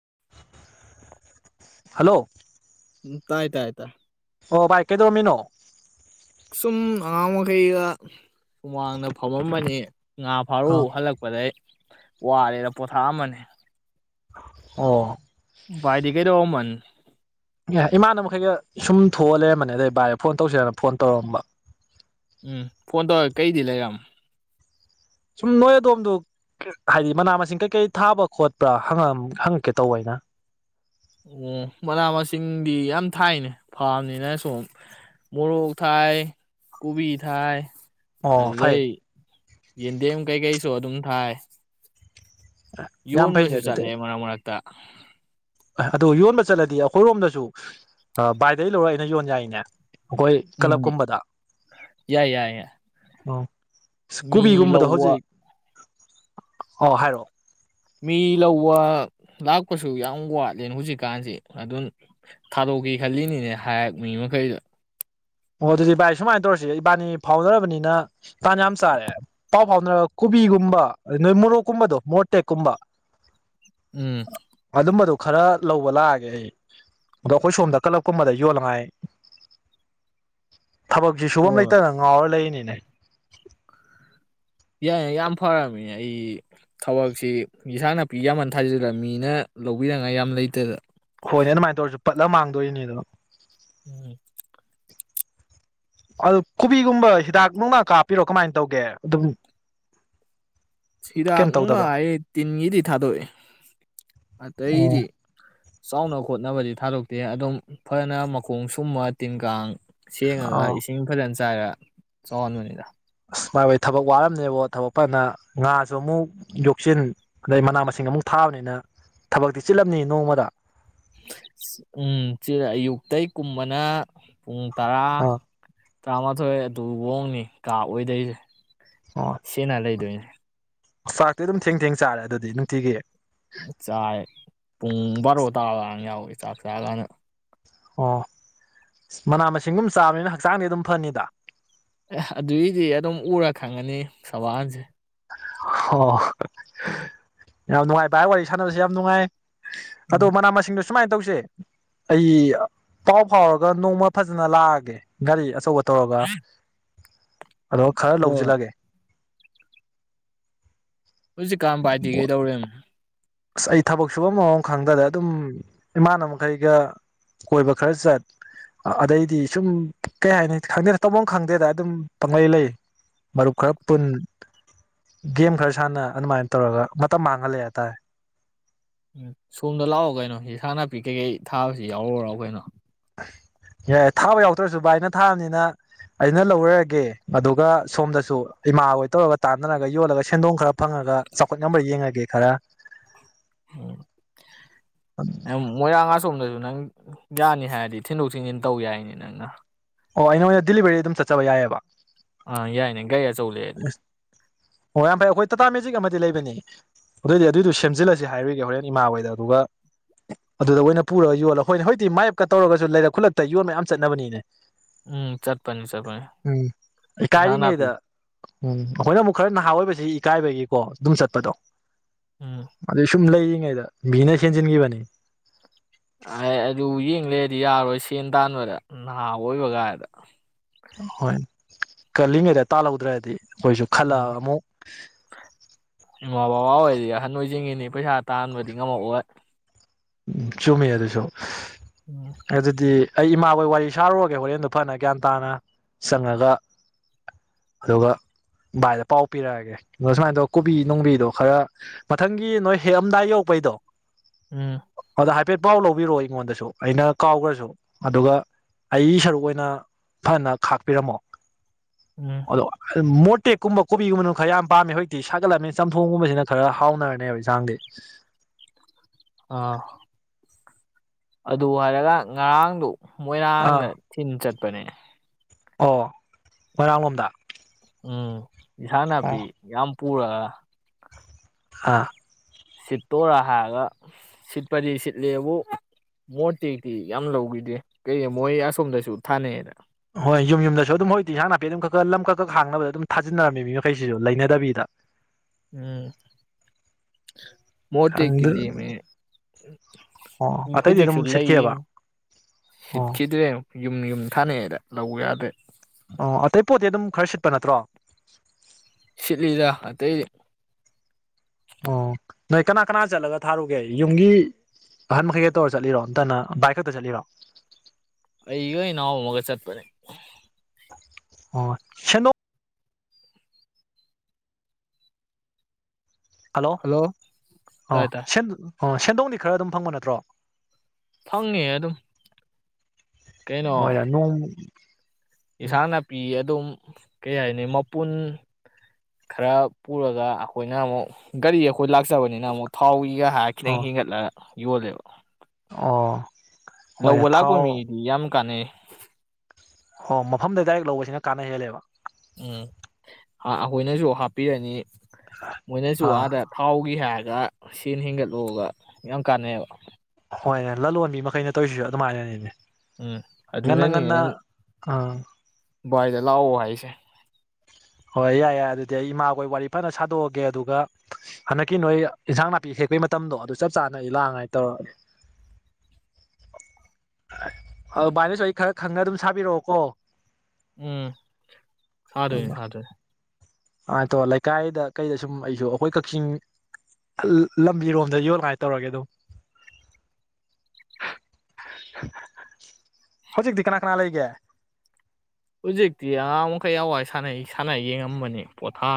[inaudible] Hello ꯎꯝ ꯇꯥꯏ ꯇꯥꯏ ꯇꯥꯏ ꯑꯣ ꯚꯥꯏ ꯀꯩꯗꯧꯔꯝꯃꯤꯅꯣ꯫ ꯁꯨꯝ ꯑꯉꯥꯡ ꯃꯈꯩꯒ ꯁꯨꯃꯥꯡꯅ ꯐꯝꯃꯝꯕꯅꯦ꯫ ꯉꯥ ꯐꯥꯔꯨ ꯍꯜꯂꯛꯄꯗꯩ꯫ ꯋꯥꯔꯦꯅ ꯄꯣꯊꯥ ꯑꯃꯕꯅꯦ ꯑꯣ ꯥꯚꯥꯏꯗꯤ ꯀꯩꯗꯧꯔꯝꯕ ꯑꯦ ꯏꯃꯥꯅ ꯃꯈꯩꯒ ꯁꯨꯝ ꯊꯣꯛꯑ ꯂꯩꯔꯝꯕꯅꯦ ꯑꯗꯩ ꯕꯥꯥꯏ ꯐꯣꯟ ꯇꯧꯁꯦꯔꯅ ꯐꯣꯟ ꯇꯧꯔꯝꯕ꯫ ꯎꯝ ꯐꯣꯟ ꯇꯧꯔꯒꯦ ꯀꯩꯗꯤ ꯂꯩꯔꯝ ꯁꯨꯝ ꯅꯣꯏ ꯑꯗꯣꯝꯗ ꯍꯥꯏꯗꯤ ꯃꯅꯥ ꯃꯁꯤꯡ ꯀꯩꯀꯩ ꯊꯥꯕꯥ ꯈꯣꯠꯄ꯭ꯔꯥ ꯍꯪꯉꯛ ꯍꯪꯉꯛꯀꯦ ꯇꯧꯕ ꯑꯩꯅ꯫ ꯑꯣ ꯃꯅꯥ ꯃꯁꯤꯡꯗꯤ ꯌꯥꯝ ꯊꯥꯏꯅꯦ ꯐꯥꯝꯅꯤꯅ ꯁꯨꯝ ꯃꯣꯔꯣꯛ ꯊꯥꯏ ꯀꯣꯕꯤ ꯊꯥꯏ꯫ ꯑꯣ ꯐꯩ ꯑꯗꯨꯗꯩ꯫ ꯌꯦꯟꯗꯦꯝ ꯀꯩ ꯀꯩꯁꯨ ꯑꯗꯨꯝ ꯊꯥꯏ ꯌꯥꯝ ꯐꯩꯅꯦ ꯌꯣꯟꯕꯁꯨ ꯆꯠꯂꯦ ꯃꯔꯛ ꯃꯔꯛ ꯨ ꯇ ꯑꯗꯣ ꯌꯣꯟꯕ ꯆꯠꯂꯗꯤ ꯑꯩꯈꯣꯏꯔꯣꯝꯗꯁꯨ ꯕꯥꯏꯗꯩ ꯂꯧꯔ ꯑꯩꯅ ꯌꯣꯟ ꯌꯥꯏꯅꯦ꯫ ꯑꯩꯈꯣꯏ ꯀꯂꯞ ꯎꯝ ꯀꯨꯝꯕꯗ ꯌꯥꯏ ꯌꯥꯏ ꯌꯥꯏ ꯑꯥ ꯃꯤ ꯀꯣꯕꯤꯒꯨꯝꯕꯗꯣ ꯂꯧꯕ ꯍꯧꯖꯤꯛ ꯑꯣ ꯍꯥꯏꯔꯛꯑꯣ ꯃꯤ ꯂꯧꯕ ꯂꯥꯛꯄꯁꯨ ꯌꯥꯝ ꯋꯥꯠꯂꯦꯅ ꯍꯧꯖꯤꯛꯀꯥꯟꯁꯤ ꯑꯗꯨ ꯊꯥꯗꯣꯛꯀꯦ ꯈꯜꯂꯤꯅꯤꯅꯦ ꯍꯥꯏꯔ ꯃꯤ ꯃꯈꯩꯗ ꯑꯣ ꯑꯗꯨꯗꯤ ꯚꯥꯏ ꯁꯨꯃꯥꯏ ꯇꯧꯔꯁꯤ ꯏꯕꯥꯅꯤ ꯐꯥꯎꯅꯔꯕꯅꯤꯅ ꯇꯥꯟ ꯌꯥꯝ ꯆꯥꯔꯦ ꯄꯥꯎ ꯐꯥꯎꯅꯔ ꯀꯣꯕꯤꯒꯨꯝꯕ ꯅꯣꯏ ꯃꯣꯔꯣꯛ ꯀꯨꯝꯕꯗꯣ ꯃꯣꯔꯣꯛꯇꯦꯛ ꯀꯨꯝꯕ ꯎꯝ ꯈꯔ ꯂꯧꯕ ꯂꯥꯛꯑꯒꯦ ꯑꯩ ꯑꯗꯣ ꯑꯩꯈꯣꯏ ꯁꯣꯝꯗ ꯀꯂꯞ ꯀꯨꯝꯕꯗ ꯌꯣꯜꯂꯉꯥꯏ ꯊꯕꯛꯁꯤ ꯁꯨꯐꯝ ꯍꯣꯏ ꯂꯩꯇꯅ ꯉꯥꯎꯔ ꯂꯩꯔꯤꯅꯤ ꯑꯦ ꯌꯥꯏ ꯌꯥꯝ ꯐꯔꯝꯃꯤ ꯑꯩ ꯊꯕꯛꯁꯤ ꯏꯟꯁꯥꯡ ꯅꯥꯄꯤ ꯌꯥꯝꯃꯟ ꯊꯥꯖꯤꯜꯂꯝꯃꯤꯅ ꯂꯧꯕꯤꯅꯉꯥꯏ ꯌꯥꯝ ꯂꯩꯇꯗ ꯍꯣꯏꯅꯦ ꯑꯗꯨꯃꯥꯏ ꯇꯧꯔꯁꯨ ꯄꯠꯂ ꯃꯥꯡꯗꯣꯏꯅꯤꯗꯣ ꯎꯝ ꯑꯗꯨ ꯀꯣꯕꯤꯒꯨꯝꯕ ꯍꯤꯗꯥꯛ ꯅꯨꯡꯗꯥꯛ ꯀꯥꯞꯄꯤꯔꯣ ꯀꯃꯥꯏ ꯇꯧꯒꯦ ꯗꯨꯝ ꯍꯤꯗꯥꯛ ꯅꯨꯡꯗꯥꯛ ꯑꯩ ꯇꯤꯟꯒꯤꯗꯤ ꯊꯥꯗꯣꯛꯑꯥ ꯑꯣ ꯑꯇꯩꯗꯤ ꯆꯥꯎꯅ ꯈꯣꯠꯅꯕꯗꯤ ꯊꯥꯗꯣꯛꯇꯦ ꯑꯗꯨꯝ ꯐꯅ ꯃꯈꯣꯡ ꯁꯨꯝꯃ ꯇꯤꯟ ꯀꯥꯡ ꯁꯦꯡꯉꯒ ꯑꯥ ꯏꯁꯤꯡ ꯐꯖꯟ ꯆꯥꯎꯍꯟꯕꯅꯤꯗ ꯕꯥꯏ ꯍꯣꯏ ꯊꯕꯛ ꯋꯥꯔꯝꯅꯦꯕꯣ ꯊꯕꯛ ꯐꯅ ꯉꯥꯁꯨ ꯑꯃꯨꯛ ꯌꯣꯛꯁꯤꯟ ꯑꯗꯩ ꯃꯅꯥ ꯃꯁꯤꯡ ꯑꯃꯨꯛ ꯊꯥꯕꯅꯤꯅ ꯊꯕꯛꯇꯤ ꯆꯤꯜꯂꯝꯅꯤ ꯅꯣꯡꯃꯗ ꯎꯝ ꯆꯤꯟꯂꯤ ꯑꯌꯨꯛꯇꯩ ꯀꯨꯝꯕꯅ ꯄꯨꯡ ꯇꯔꯥ ꯑꯥ ꯇꯔꯥꯃꯥꯊꯣꯏ ꯑꯗꯨꯋꯣꯡꯅꯤ ꯀꯥ ꯑꯣꯏꯗꯣꯏꯁꯦ ꯑꯣ ꯁꯤꯅ ꯂꯩꯗꯣꯏꯅꯦ ꯆꯥꯛꯇꯤ ꯑꯗꯨꯝ ꯊꯦꯡ ꯊꯦꯡ ꯆꯥꯔꯦ ꯑꯗꯨꯗꯤ ꯅꯨꯡꯇꯤꯒꯤ ꯆꯥꯏ ꯄꯨꯡ ꯕꯥꯔꯣ ꯇꯥꯕꯒ ꯌꯥꯎꯋꯤ ꯆꯥꯛ ꯆꯥ ꯀꯥꯟꯗ ꯑꯣ ꯃꯅꯥ ꯃꯁꯤꯡꯒꯨꯝ ꯆꯥꯕꯅꯤꯅ ꯍꯛꯆꯥꯡꯗꯤ ꯑꯗꯨꯝ ꯐꯅꯤꯗ ꯑꯦ ꯑꯗꯨꯏꯗꯤ ꯑꯗꯨꯝ ꯎꯔ ꯈꯪꯉꯅꯤ ꯁꯕꯥꯟꯁꯦ ꯑꯣ ꯌꯥꯝ ꯅꯨꯡꯉꯥꯏ ꯚꯥꯏ ꯋꯥꯔꯤ ꯁꯥꯟꯅꯕꯁꯤꯦ ꯌꯥꯝ ꯅꯨꯡꯉꯥꯏ ꯑꯗꯣ ꯎꯝ ꯃꯅꯥ ꯃꯁꯤꯡꯗꯨ ꯁꯨꯃꯥꯏꯅ ꯇꯧꯁꯦ ꯑꯩ ꯄꯥꯎ ꯐꯥꯎꯔꯒ ꯅꯣꯡꯃ ꯐꯖꯅ ꯂꯥꯛꯑꯒꯦ ꯒꯥꯔꯤ ꯑꯆꯧꯕ ꯇꯣꯒ ꯑꯗꯣ ꯈꯔ ꯍꯣꯏ ꯂꯧꯖꯤꯜꯂꯒꯦ ꯍꯧꯖꯤꯛꯀꯟ ꯕꯥꯏꯗꯤ ꯀꯩꯗꯧꯔꯦꯅꯣ ꯑꯁ ꯑꯩ ꯊꯕꯛ ꯁꯨꯕꯃꯃꯝ ꯈꯪꯗꯗ ꯑꯗꯨꯝ ꯏꯃꯥꯟꯅꯕ ꯃꯈꯩꯒ ꯀꯣꯏꯕ ꯈꯔ ꯆꯠ ꯑꯗꯩꯗꯤ ꯁꯨꯝ ꯀꯩ ꯍꯥꯏꯅꯤ ꯈꯪꯗꯦ ꯇꯐꯝ ꯑꯃ ꯈꯪꯗꯦꯗ ꯑꯗꯨꯝ ꯄꯪꯂꯪꯂꯩ ꯂꯩ ꯃꯔꯨꯞ ꯈꯔ ꯄꯨꯟ ꯒꯦꯝ ꯈꯔ ꯁꯥꯟꯅ ꯑꯗꯨꯃꯥꯏꯅ ꯇꯧꯔꯒ ꯃꯇꯝ ꯃꯥꯡꯍꯜꯂꯦ ꯍꯥꯏꯇꯥꯔꯦ ꯎꯝ ꯁꯣꯝꯗ ꯂꯥꯛꯑꯣ ꯀꯩꯅꯣ ꯍꯁꯥꯡ ꯅꯥꯄꯤ ꯀꯩꯀꯩ ꯊꯥꯕꯁꯤ ꯌꯥꯎꯔꯔꯣ ꯀꯩꯅꯣ ꯌꯥꯏ ꯊꯥꯕ ꯌꯥꯎꯗ꯭ꯔꯁꯨ ꯚ ꯑꯩꯅ ꯊꯥꯕꯅꯤꯅ ꯑꯩꯅ ꯂꯧꯔꯔꯒꯦ ꯑꯗꯨꯒ ꯁꯣꯝꯗꯁꯨ ꯏꯃꯥ ꯍꯣꯏ ꯇꯧꯔꯒ ꯇꯥꯟꯅꯔꯒ ꯌꯣꯜꯂꯒ ꯁꯦꯟꯗꯣꯡ ꯈꯔ ꯐꯪꯉꯒ ꯆꯥꯎꯈꯠ ꯉꯝꯕꯔ ꯌꯦꯡꯉꯒꯦ ꯈꯔ ꯎꯝ ꯃꯣꯏꯔꯥꯡ ꯉꯥ ꯁꯣꯝꯗꯁꯨ ꯅꯪ ꯌꯥꯅꯤ ꯍꯥꯏꯔꯗꯤ ꯊꯤꯟꯗꯣꯛ ꯊꯤꯟꯖꯤꯟ ꯇꯧ ꯌꯥꯏꯅꯤ ꯅꯪꯅ ꯑꯣ ꯑꯩ ꯅꯉꯣꯟꯗ ꯗꯤꯜꯂꯤꯕꯦꯔꯤ ꯑꯗꯨꯝ ꯆꯠꯆꯕ ꯌꯥꯏꯑꯦꯕ ꯑ ꯌꯥꯏꯅꯦ [unintelligible] ꯆꯧ ꯂꯩꯔꯗꯤ ꯑꯣ ꯌꯥꯝ ꯐꯩ ꯑꯩꯈꯣꯏ ꯇꯥꯇꯥ ꯃꯦꯖꯤꯛ ꯑꯃꯗꯤ ꯂꯩꯕꯅꯤ ꯑꯗꯨꯑꯣꯏꯗꯤ ꯑꯗꯨꯏꯗꯨꯣ ꯁꯦꯝꯖꯤꯜꯂꯁꯤ ꯍꯥꯏꯔꯒꯦ ꯍꯣꯔꯦꯟ ꯏꯃꯥ ꯍꯣꯏꯗ ꯑꯗꯨꯒ ꯑꯗꯨꯗ ꯑꯣꯏꯅ ꯄꯨꯔꯒ ꯌꯣꯜꯂꯒ ꯑꯩꯈꯣꯏꯅ ꯍꯖꯤꯛꯇꯤ ꯃꯥꯥꯏꯞꯀ ꯇꯧꯔꯒꯁꯨ ꯂꯩꯔꯛ ꯈꯨꯜꯂꯛꯇ ꯌꯣꯟꯕ ꯃꯌꯥꯝ ꯆꯠꯅꯕꯅꯤꯅꯦ ꯎꯝ ꯆꯠꯄꯅꯤ ꯆꯠꯄꯅꯤ ꯎꯝ ꯏꯟꯖꯥꯡ ꯅꯥꯄꯤ ꯏꯀꯥꯏꯔꯤꯉꯩꯗ ꯎꯝ ꯑꯩꯈꯣꯏꯅ ꯑꯃꯨꯛ ꯈꯔ ꯅꯍꯥ ꯑꯣꯏꯕꯁꯤ ꯏꯀꯥꯏꯕꯒꯤꯀꯣ ꯑꯗꯨꯝ ꯆꯠꯄꯗꯣ꯫ ꯎꯝ ꯑꯗꯨ ꯁꯨꯝ ꯂꯩꯔꯤ ꯃꯤꯅ ꯍꯦꯟꯖꯤꯟꯒꯤꯕꯅꯤ ꯑꯦ ꯑꯗꯨ ꯌꯦꯡꯂꯩꯔꯗꯤ ꯌꯥꯔꯣꯏ ꯁꯦꯟ ꯇꯥꯟꯕꯗ ꯅꯍꯥ ꯑꯣꯏꯕ ꯀꯥꯏꯗ ꯍꯣꯏ ꯀꯜꯂꯤꯉꯩꯗ ꯇꯥꯜꯍꯧꯗ꯭ꯔꯗꯤ ꯑꯩꯈꯣꯏꯁꯨ ꯎꯝ ꯈꯜꯂꯛꯑ ꯑꯃꯨꯛ ꯏꯃꯥ ꯕꯕꯥ ꯑꯣꯏꯔꯗꯤ ꯑꯍꯟ ꯑꯣꯏꯖꯤꯡꯉꯤꯅꯤ ꯄꯩꯁꯥ ꯇꯥꯟꯕꯗꯤ ꯉꯝꯃꯛꯑꯣꯏ꯫ ꯎꯝ ꯆꯨꯝꯃꯤ ꯑꯗꯨꯁꯨ ꯎꯝ ꯑꯗꯨꯗꯤ ꯑꯩ ꯏꯃꯥꯈꯣꯏ ꯋꯥꯔꯤ ꯁꯥꯔꯨꯔꯒꯦ ꯍꯣꯔꯦꯟꯗꯨꯣ ꯐꯅ ꯒ꯭ꯌꯥꯟ ꯇꯥꯅ ꯆꯪꯉꯒ ꯑꯗꯨꯒ ꯚꯥꯏꯗ ꯄꯥꯎ ꯄꯤꯔꯛꯑꯒꯦ ꯑ ꯁꯨꯃꯥꯏꯅ ꯇꯧ ꯀꯣꯕꯤ ꯅꯨꯡꯕꯤꯗꯣ ꯈꯔ ꯃꯊꯪꯒꯤ ꯅꯣꯏ ꯍꯦꯛꯑꯝꯗꯥꯏ ꯌꯧꯔꯛꯄꯩꯗꯣ ꯎꯝ ꯑꯗ ꯍꯥꯏꯐꯦꯠ ꯄꯥꯎ ꯂꯧꯕꯤꯔꯛꯑꯣ ꯑꯩꯉꯣꯟꯗꯁꯨ ꯑꯩꯅ ꯀꯥꯎꯈ꯭ꯔꯁꯨ ꯑꯗꯨꯒ ꯑꯩ ꯁꯔꯨꯛ ꯑꯣꯏꯅ ꯐꯅ ꯈꯥꯛꯄꯤꯔꯝꯃꯣ ꯎꯝ [inaudible] ꯃꯣꯔꯇꯦꯛꯀꯨꯝꯕ ꯀꯣꯕꯤꯒꯨꯝꯕꯅ ꯈꯔ ꯌꯥꯝ ꯄꯥꯝꯃꯦ ꯍꯧꯖꯤꯛꯇꯤ ꯁꯥꯒꯠꯂꯕꯃꯤꯅꯤꯅ ꯆꯝꯊꯣꯡꯒꯨꯝꯕꯁꯤꯅ ꯈꯔ ꯍꯥꯎꯅꯔꯅꯦꯕ ꯌꯦꯟꯁꯥꯡꯗꯤ ꯑꯥ ꯑꯗꯨ ꯍꯥꯏꯔꯒ ꯉꯔꯥꯡꯗꯨ ꯑꯥ ꯃꯣꯏꯔꯥꯡꯗ ꯊꯤꯟ ꯆꯠ ꯃꯅꯦ ꯑꯣ ꯃꯣꯏꯔꯥꯡ ꯂꯣꯝꯗ ꯎꯝ ꯏꯁꯥꯡꯅꯄꯤ ꯌꯥꯝ ꯄꯨꯔꯒ ꯍꯥ ꯁꯤꯠꯇꯣꯔ ꯍꯥꯏꯔꯒ ꯁꯤꯠꯄꯗꯤ ꯁꯤꯠꯂꯦꯕꯨ ꯃꯣꯠꯇꯦꯛꯇꯤ ꯌꯥꯝ ꯂꯧꯈꯤꯗ꯭ꯔꯦ ꯀꯩ ꯃꯣꯏ ꯑꯁꯣꯝꯗꯁꯨ ꯊꯥꯅꯩꯑꯅ ꯍꯣꯏ ꯌꯨꯝ ꯌꯨꯝꯗꯁꯨ ꯑꯗꯨꯝ ꯍꯣꯏꯗꯤ ꯏꯟꯁꯥꯡ ꯅꯥꯄꯤ ꯑꯗꯨꯝ ꯂꯝ ꯈꯔꯥ ꯈꯔꯥ ꯍꯥꯡꯅꯕꯗ ꯑꯗꯨꯝ ꯊꯥꯖꯤꯟꯅꯔꯝꯃꯤ ꯃꯤ ꯃꯈꯩꯁꯤꯁꯨ ꯂꯩꯅꯗꯕꯤꯗ ꯎꯝ ꯃꯣ ꯇꯦꯛꯇꯤ ꯈꯪꯗꯦ ꯂꯦꯝꯃꯦ ꯑꯣ ꯑꯇꯩꯗꯤ ꯍꯧꯖꯤꯛꯁꯨ ꯑꯗꯨꯝ ꯂꯩꯔꯤ ꯁꯤꯠꯀꯦꯕ ꯑꯣ ꯁꯤꯠꯈꯤꯗ꯭ꯔꯦ ꯌꯨꯝ ꯌꯨꯝ ꯊꯥꯅꯩꯑꯦꯗ ꯂꯧ ꯌꯥꯗ꯭ꯔꯦ ꯑꯣ ꯑꯇꯩ ꯄꯣꯠꯇꯤ ꯑꯗꯨꯝ ꯈꯔ ꯁꯤꯠꯄ ꯅꯠꯇ꯭ꯔꯣ ꯁꯤꯠꯂꯤꯗ ꯑꯇꯩꯗꯤ ꯑꯣ ꯅꯣꯏ ꯀꯅꯥ ꯀꯅꯥ ꯆꯠꯂꯒ ꯊꯥꯔꯨꯒꯦ ꯌꯨꯝꯒꯤ ꯑꯍꯟ ꯃꯈꯩꯒ ꯇꯧꯔ ꯆꯠꯂꯤꯔꯣ ꯅꯟꯇꯒ ꯕꯥꯏꯛ ꯈꯛꯇ ꯆꯠꯂꯤꯔꯣ ꯑꯩꯒ ꯏꯅꯥꯎ ꯑꯃꯒ ꯆꯠꯄꯅꯦ ꯑꯣ ꯍꯜꯂꯣ ꯑꯥ ꯇꯥꯏ ꯇꯥꯏ ꯑꯣ ꯁꯦꯟꯗꯣꯡꯗꯤ ꯈꯔ ꯑꯗꯨꯝ ꯐꯪꯕ ꯅꯠꯇ꯭ꯔꯣ ꯐꯪꯉꯦ ꯑꯗꯨꯝ ꯍꯣꯏꯅ ꯅꯣ ꯏꯁꯥꯡ ꯅꯥꯄꯤ ꯑꯗꯨꯝ ꯀꯩ ꯍꯥꯏꯅꯤ ꯃꯄꯨꯟ ꯈꯔ ꯄꯨꯔꯒ ꯑꯩꯈꯣꯏꯅ ꯑꯃꯨꯛ ꯒꯥꯔꯤ ꯑꯩꯈꯣꯏ ꯂꯥꯛꯆꯕꯅꯤꯅ ꯑꯃꯨꯛ ꯊꯥꯎꯒꯤ ꯒ ꯍꯥꯑ ꯈꯤꯇꯪ ꯑꯣ ꯍꯦꯟꯒꯠꯂ ꯌꯣꯜꯂꯦꯕ ꯑꯥ ꯂꯧꯕ ꯂꯥꯛꯄ ꯃꯤꯗꯤ ꯌꯥꯝ ꯀꯥꯟꯅꯩ ꯑꯣ ꯃꯐꯝꯗ ꯗꯥꯏꯔꯦꯛ ꯂꯧꯕꯁꯤꯅ ꯀꯥꯟꯅ ꯍꯦꯜꯂꯦꯕ ꯎꯝ ꯑꯩꯈꯣꯏꯅꯁꯨ ꯍꯥꯞꯄꯤꯔꯅꯤ ꯃꯣꯏꯅꯁꯨ ꯑꯥ ꯑꯥꯗ ꯊꯥꯎꯒꯤ ꯍꯥꯏ ꯁꯦꯟ ꯍꯦꯟꯒꯠꯂꯨꯒ ꯌꯥꯝ ꯀꯥꯟꯅꯩꯑꯕ ꯍꯣꯏꯅꯦ ꯂꯂꯣꯟꯕꯤ ꯃꯈꯩꯅ ꯇꯧꯔꯤꯁꯤꯁꯨ ꯑꯗꯨꯃꯥꯏꯅꯅꯤꯅꯦ ꯎꯝ ꯉꯟꯅ ꯑꯗꯨꯅꯅꯤ ꯉꯟꯅ ꯑꯩꯅ ꯑ ꯂꯥꯛꯑꯣ ꯍꯥꯏꯁꯦ ꯍꯣꯏ ꯌꯥꯏ ꯌꯥꯏ ꯑꯗꯨꯗꯤ ꯑꯩ ꯏꯃꯥꯈꯣꯏ ꯋꯥꯔꯤ ꯐꯅ ꯁꯥꯗꯣꯛꯑꯒꯦ ꯑꯗꯨꯒ ꯍꯟꯗꯛꯀꯤ ꯅꯣꯏ ꯏꯟꯁꯥꯡ ꯅꯥꯄꯤ ꯍꯦꯛꯄꯒꯤ ꯃꯇꯝꯗꯣ ꯑꯗꯨ ꯆꯞ ꯆꯥꯅ ꯑꯩ ꯂꯥꯡꯉꯥꯏ ꯇꯧꯔꯒꯦ ꯑꯗꯨ ꯚꯥꯏꯅꯁꯨ ꯑꯩ ꯈꯔ ꯈꯪꯅ ꯑꯗꯨꯝ ꯁꯥꯕꯤꯔꯛꯑꯣꯀꯣ ꯎꯝ ꯁꯥꯗꯣꯏꯅꯦ ꯁꯥꯗꯣꯏꯅꯦ ꯑꯗꯣ ꯂꯩꯀꯥꯏꯗ ꯀꯩꯗ ꯁꯨꯝ ꯑꯩꯁꯨ ꯑꯩꯈꯣꯏ ꯀꯛꯆꯤꯡ ꯂꯝꯕꯤꯔꯣꯝꯗ ꯌꯣꯜꯉꯥꯏ ꯇꯧꯔꯒꯦ ꯑꯗꯨꯝ ꯍꯧꯖꯤꯛꯇꯤ ꯀꯅꯥ ꯀꯅꯥ ꯂꯩꯒꯦ ꯍꯨꯖꯤꯛꯇꯤ ꯑꯉꯥꯡ ꯃꯈꯩ ꯋꯥ ꯁꯥꯟꯅꯩ ꯁꯥꯟꯅ ꯌꯦꯡꯉꯝꯕꯅꯤ ꯄꯣꯊꯥ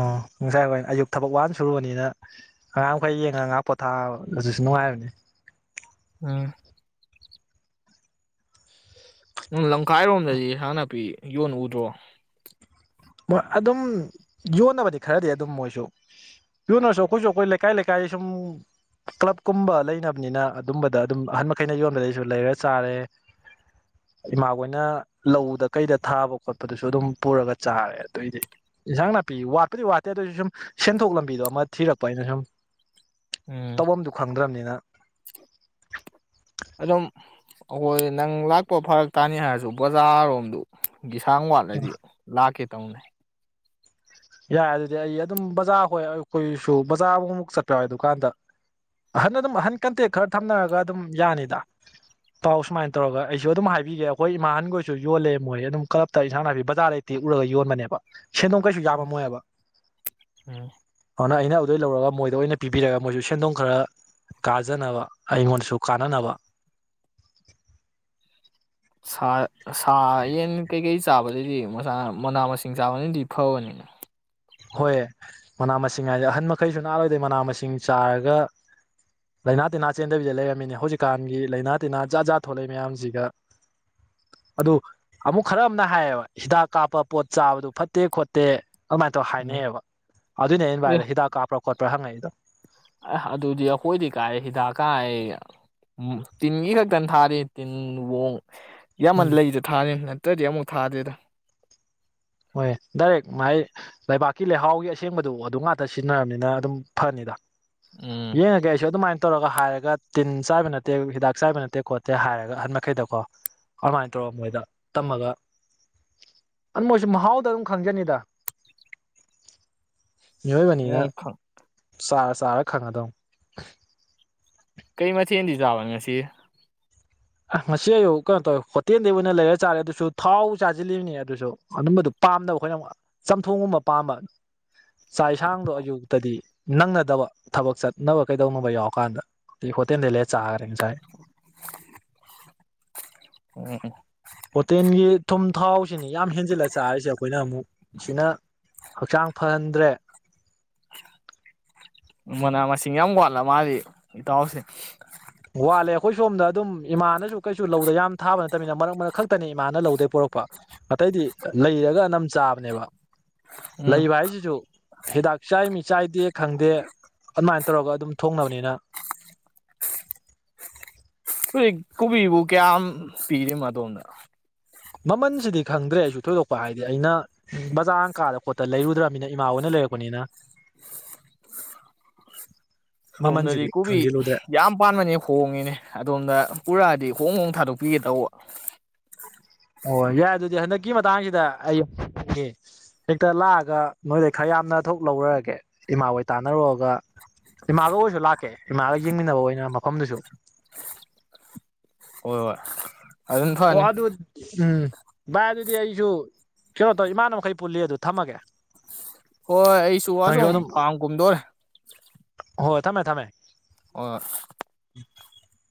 ꯑꯣ ꯉꯁꯥꯏ ꯋꯥꯏ ꯑꯌꯨꯛ ꯊꯕꯛ ꯋꯥꯅ ꯁꯨꯔꯨꯕꯅꯤꯅ ꯑꯉꯥꯡ ꯃꯈꯩ ꯌꯦꯡꯉꯒ ꯉꯥꯏꯍꯥꯛ ꯄꯣꯊꯥ ꯑꯗꯨꯁꯨ ꯅꯨꯡꯉꯥꯏꯕꯅꯤ꯫ ꯎꯝ ꯎꯝ ꯂꯝꯈꯥꯏꯔꯣꯝ ꯗꯗꯤ ꯍꯦꯟꯖꯥꯡ ꯅꯥꯄꯤ ꯌꯣꯟ ꯎꯗ꯭ꯔꯣ꯫ ꯃꯣꯏ ꯑꯗꯨꯝ ꯌꯣꯟꯅꯕꯗꯤ ꯈꯔꯗꯤ ꯑꯗꯨꯝ ꯃꯣꯏꯁꯨ ꯌꯣꯟꯅꯔꯁꯨ ꯑꯩꯈꯣꯏꯁꯨ ꯑꯩꯈꯣꯏ ꯂꯩꯀꯥꯏ ꯂꯩꯀꯥꯏ ꯁꯨꯝ ꯀ꯭ꯂꯞ ꯀꯨꯝꯕ ꯂꯩꯅꯕꯅꯤꯅ ꯑꯗꯨꯝꯕꯗ ꯑꯗꯨꯝ ꯑꯍꯟ ꯃꯈꯩꯅ ꯌꯣꯟꯕꯗꯩꯁꯨ ꯂꯩꯔ ꯆꯥꯔꯦ ꯏꯃꯥꯈꯣꯏꯅ ꯂꯧꯗ ꯀꯩꯗ ꯊꯥꯕ ꯈꯣꯠꯄꯗꯨꯁꯨ ꯑꯗꯨꯝ ꯄꯨꯔ ꯆꯥꯔꯦ ꯑꯗꯨꯏꯗꯤ ꯏꯟꯁꯥꯡ ꯅꯥꯄꯤ ꯋꯥꯠꯄꯗꯤ ꯋꯥꯠꯇꯦ ꯑꯗꯨꯑꯣꯏꯁꯨ ꯁꯨꯝ ꯁꯦꯟꯊꯣꯛ ꯂꯝꯕꯤꯗꯣ ꯑꯃ ꯊꯤꯔꯛꯄ ꯑꯩꯅ ꯁꯨꯝ ꯎꯝ ꯇꯧꯕꯝꯗꯨ ꯈꯪꯗ꯭ꯔꯝꯅꯤꯅ꯫ ꯑꯈꯣꯏ ꯅꯪ ꯂꯥꯛꯄ ꯐꯔꯛ ꯇꯥꯅꯤ ꯍꯥꯏꯖꯨ ꯕꯖꯥꯔꯔꯣꯝꯗꯨ ꯏꯁꯥꯡ ꯋꯥꯠꯂꯗꯤ ꯂꯥꯛꯀꯦ꯫ ꯇꯧꯅꯩ ꯌꯥꯏ ꯑꯗꯨꯗꯤ ꯑꯩ ꯑꯗꯨꯝ ꯕꯥꯖꯔ ꯍꯣꯏ ꯑꯩꯈꯣꯏꯁꯨ ꯕꯥꯖꯔ ꯑꯃꯨꯛ ꯑꯃꯨꯛ ꯆꯠꯄ ꯌꯧꯋꯦ ꯑꯗꯨꯀꯥꯟꯗ ꯑꯍꯟ ꯑꯗꯨꯝ ꯑꯍꯟ ꯀꯣꯟꯇꯦꯛ ꯈꯔ ꯊꯝꯅꯔꯒ ꯑꯗꯨꯝ ꯌꯥꯅꯤꯗ ꯄꯥꯎ ꯁꯨꯃꯥꯢ ꯇꯧꯔꯒ ꯑꯩꯁꯨ ꯑꯗꯨꯝ ꯍꯥꯏꯕꯤꯒꯦ ꯑꯩꯈꯣꯏ ꯏꯃꯥ ꯑꯍꯟ ꯈꯣꯏꯁꯨ ꯌꯣꯟꯂꯦ ꯃꯣꯏ ꯑꯗꯨꯝ ꯀꯨꯜꯞꯇ ꯏꯟꯖꯥꯡ ꯅꯥꯄꯤ ꯕꯥꯖꯔ ꯗꯩ ꯇꯦꯛꯎꯔꯒ ꯌꯣꯟꯕꯅꯦꯕ ꯁꯦꯟꯗꯣꯡ ꯀꯩꯁꯨ ꯌꯥꯝꯕ ꯃꯣꯏꯕ ꯎꯝ ꯑꯗꯨꯅ ꯑꯩꯅ ꯑꯗꯨꯗꯩ ꯂꯧꯔꯒ ꯃꯣꯏꯗ ꯑꯣꯏꯅ ꯄꯤꯕꯤꯔꯒ ꯃꯣꯏꯁꯨ ꯁꯦꯟꯗꯣꯡ ꯈꯔ ꯀꯥꯖꯅꯕ ꯑꯩꯉꯣꯟꯗꯁꯨ ꯀꯥꯟꯅꯅꯕ꯫ ꯁꯥ ꯁꯥ ꯌꯦꯟ ꯀꯩꯀꯩ ꯆꯥꯕꯥꯗꯩꯗꯤ ꯃꯅꯥ ꯃꯁꯤꯡ ꯆꯥꯕꯅꯗꯤ ꯐꯥꯕꯅꯤꯅꯦ꯫ ꯍꯣꯏ ꯃꯅꯥ ꯃꯁꯤꯡ ꯍꯥꯏꯁꯦ ꯑꯍꯟ ꯃꯈꯩꯁꯨ ꯅꯥꯔꯣꯏꯗꯣꯏ ꯃꯅꯥ ꯃꯁꯤꯡ ꯆꯥꯔꯒ ꯂꯩꯥꯏꯅꯥ ꯇꯤꯟꯅꯥ ꯆꯦꯟꯗꯕꯤꯗ ꯂꯩꯔꯝꯃꯤꯅꯦ ꯍꯧꯖꯤꯛꯀꯥꯟꯒꯤ ꯂꯥꯏꯅꯥ ꯇꯤꯟꯅꯥ ꯖꯥꯠ ꯖꯥꯠ ꯊꯣꯛꯂꯛꯏ ꯃꯌꯥꯝꯁꯤꯒ ꯑꯗꯨ ꯑꯃꯨꯛ ꯈꯔ ꯑꯃꯅ ꯍꯥꯏꯌꯦꯕ ꯍꯤꯗꯥꯛ ꯀꯥꯞꯄ ꯄꯣꯠ ꯆꯥꯕꯗꯨ ꯐꯠꯇꯦ ꯈꯣꯠꯇꯦ ꯑꯗꯨꯃꯥꯏꯅ ꯎꯝ ꯍꯥꯏꯅꯩꯑꯦꯕ ꯑꯗꯨꯏꯅꯦ ꯑꯩꯅ ꯚꯥꯏꯗ ꯍꯤꯗꯥꯛ ꯀꯥꯞꯄꯔꯥ ꯈꯣꯠꯄ꯭ꯔꯥ ꯍꯪꯉꯛꯏꯗꯣ ꯑ ꯑꯗꯨꯗꯤ ꯑꯩꯈꯣꯏꯗꯤ ꯀꯥꯏ ꯍꯤꯗꯥꯛ ꯀꯥꯏ ꯇꯤꯟꯒꯤ ꯈꯛꯇꯅ ꯊꯥꯔꯤ ꯇꯤꯟꯋꯣꯡ ꯌꯥꯝꯃꯟ ꯎꯝ ꯂꯩꯁꯦ ꯊꯥꯔꯤꯝ ꯑꯇꯩꯗꯤ ꯑꯃꯨꯛ ꯊꯥꯗꯦꯗ ꯍꯣꯏ ꯗꯥꯏꯔꯦꯛ ꯃꯥꯥꯏ ꯂꯩꯕꯥꯛꯀꯤ ꯂꯩꯍꯥꯎꯒꯤ ꯑꯁꯦꯡꯕꯗꯨ ꯑꯗꯨꯝ ꯉꯥꯛꯇ ꯁꯤꯖꯤꯟꯅꯔꯕꯅꯤꯅ ꯑꯗꯨꯝ ꯐꯅꯤꯗ ꯎꯝ ꯌꯦꯪꯉꯥꯒꯦ ꯑꯩꯁꯨ ꯑꯗꯨꯃꯥꯏ ꯇꯧꯔꯒ ꯍꯥꯏꯔꯒ ꯇꯤꯟ ꯆꯥꯏꯕ ꯅꯠꯇꯦ ꯍꯤꯗꯥꯛ ꯆꯥꯏꯕ ꯅꯠꯇꯦ ꯈꯣꯠꯇꯦ ꯍꯥꯏꯔꯒ ꯑꯍꯟ ꯃꯈꯩꯗꯀꯣ ꯑꯗꯨꯃꯥꯏꯅ ꯇꯧꯔ ꯃꯣꯏꯗ ꯇꯝꯃꯒ ꯃꯣꯏ ꯃꯍꯥꯎꯗ ꯑꯗꯨꯝ ꯈꯪꯖꯅꯤꯗ ꯃꯤꯑꯣꯏꯕꯅꯤꯅ ꯑꯣ ꯈꯪ ꯆꯥꯔ ꯆꯥꯔ ꯈꯪꯉꯗꯧ ꯀꯩ ꯃꯊꯦꯜꯗꯤ ꯆꯥꯕꯅꯤ ꯉꯁꯤ ꯉꯁꯤ ꯑꯌꯨꯛ ꯀꯩꯅꯣ ꯇꯧꯔꯦ ꯍꯣꯇꯦꯜꯗꯒꯤ ꯑꯣꯏꯅ ꯂꯩꯔ ꯆꯥꯔꯦ ꯑꯗꯨꯁꯨ ꯊꯥꯎ ꯆꯥꯁꯤꯜꯂꯤꯕꯅꯤ ꯑꯗꯨꯁꯨ ꯑꯗꯨꯝꯕꯗꯨ ꯄꯥꯝꯗꯅꯕ ꯑꯩꯈꯣꯏꯅ ꯆꯝꯊꯣꯡꯒꯨꯝꯕ ꯄꯥꯝꯕ ꯆꯥꯛ ꯌꯦꯁꯥꯡꯗꯣ ꯑꯌꯨꯛꯇꯗꯤ ꯅꯪꯅꯗꯕ ꯊꯕꯛ ꯆꯠꯅꯕ ꯀꯩꯗꯧꯅꯕ ꯌꯥꯎꯔꯀꯥꯟꯗ ꯍꯣꯇꯦꯜꯗꯩ ꯂꯩꯔ ꯆꯥꯈ꯭ꯔꯦ ꯉꯁꯥꯏ ꯑꯣꯝ ꯍꯣꯇꯦꯜꯒꯤ ꯊꯨꯝ ꯊꯥꯎꯁꯤꯅꯤ ꯌꯥꯝ ꯍꯦꯟꯖꯤꯜꯂ ꯆꯥꯔꯤꯁꯦ ꯑꯩꯈꯣꯏꯅ ꯑꯃꯨꯛ ꯁꯤꯅ ꯍꯛꯆꯥꯡ ꯐꯍꯟꯗ꯭ꯔꯦ ꯃꯅꯥ ꯃꯁꯤꯡ ꯌꯥꯝ ꯋꯥꯠꯂ ꯃꯥꯗꯤ ꯏꯇꯥꯎꯁꯦ ꯋꯥꯠꯂꯦ ꯑꯩꯈꯣꯏ ꯁꯣꯝꯗ ꯑꯗꯨꯝ ꯏꯃꯥꯅꯁꯨ ꯀꯩꯁꯨ ꯂꯧꯗ ꯌꯥꯝ ꯊꯥꯕ ꯅꯠꯇꯕꯅ ꯃꯔꯛ ꯃꯔꯛ ꯈꯛꯇꯅꯤ ꯏꯃꯥꯅ ꯂꯧꯗꯩ ꯄꯣꯔꯛꯄ ꯑꯇꯩꯗꯤ ꯂꯩꯔꯒ ꯑꯅꯝ ꯆꯥꯕꯅꯦꯕ ꯎꯝ ꯂꯩꯕ ꯍꯥꯏꯁꯤꯁꯨ ꯍꯤꯗꯥꯛ ꯆꯥꯢꯃꯤ ꯆꯥꯏꯗꯦ ꯈꯪꯗꯦ ꯑꯗꯨꯃꯥꯏꯅ ꯇꯧꯔꯒ ꯑꯗꯨꯝ ꯊꯣꯡꯅꯕꯅꯤꯅ ꯍꯧꯖꯤꯛ ꯀꯣꯕꯤꯕꯨ ꯀꯌꯥꯝ ꯄꯤꯔꯤ ꯑꯗꯣꯝꯗ ꯃꯃꯜꯁꯤꯗꯤ ꯈꯪꯗ꯭ꯔꯦ ꯑꯩꯁꯨ ꯊꯣꯏꯗꯣꯛꯄ ꯍꯥꯏꯗꯤ ꯑꯩꯅ ꯕꯖꯥꯔ ꯀꯥꯗ ꯈꯣꯠꯇ ꯂꯩꯔꯨꯗ꯭ꯔꯕꯅꯤꯅ ꯏꯃꯥꯍꯣꯏꯅ ꯂꯩꯔꯛꯄꯅꯤꯅ ꯁꯣꯝꯗꯗꯤ ꯃꯃꯜꯁꯤꯗꯤ ꯀꯣꯕꯤ ꯈꯪꯖꯤꯜꯂꯨꯗ꯭ꯔꯦ ꯌꯥꯝ ꯄꯥꯟꯕꯅꯦ ꯍꯣꯡꯉꯤꯅꯦ ꯑꯗꯣꯝꯗ ꯄꯨꯔꯛꯑꯗꯤ ꯈꯣꯡ ꯍꯣꯡ ꯊꯥꯗꯣꯛꯄꯤꯒꯦ ꯇꯧꯕ ꯑꯣ ꯌꯥꯏ ꯑꯗꯨꯗꯤ ꯍꯟꯗꯛꯀꯤ ꯃꯇꯥꯡꯁꯤꯗ ꯑꯩ ꯍꯦꯛꯇ ꯂꯥꯛꯑꯒ ꯅꯣꯏꯗ ꯈꯔ ꯌꯥꯝꯅ ꯊꯣꯛ ꯂꯧꯔꯒꯦ ꯏꯃꯥ ꯍꯣꯏ ꯇꯥꯟꯅꯔꯨꯔꯑꯒ ꯏꯃꯥꯒ ꯑꯣꯏꯣꯏꯔꯁꯨ ꯂꯥꯛꯀꯦ ꯏꯃꯥꯒ ꯌꯦꯡꯃꯤꯟꯅꯕ ꯑꯣꯏꯅ ꯃꯐꯝꯗꯨꯁꯨ ꯍꯣꯢ ꯍꯣꯢ ꯑꯣ ꯑꯗꯨ ꯎꯝ ꯚꯥꯏ ꯑꯗꯨꯗꯤ ꯑꯩꯁꯨ ꯀꯩꯅꯣ ꯇꯧ ꯏꯃꯥꯅꯕ ꯃꯈꯩ ꯄꯨꯜꯂꯤ ꯑꯗꯨ ꯊꯝꯃꯒꯦ ꯍꯣꯏ ꯑꯩꯁꯨ ꯋꯥꯁꯨꯝ ꯐꯥꯝ ꯀꯨꯝꯗꯣꯔꯦ ꯍꯣ ꯊꯃꯦ ꯊꯃꯦ ꯑꯣ [inaudible]